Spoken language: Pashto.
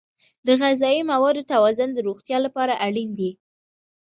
د غذایي موادو توازن د روغتیا لپاره اړین دی.